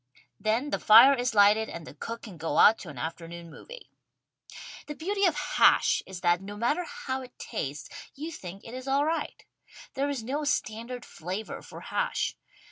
Then the fire is lighted and the cook can go out to an afternoon movie. The beauty of hash is that, no matter how it tastes, you think it is all right. There is no standard flavor for hash.